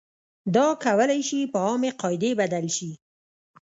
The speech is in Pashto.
دا کولای شي په عامې قاعدې بدل شي.